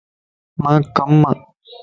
مانک ڪم ا